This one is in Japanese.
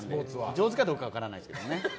上手かどうか分からないですけどね。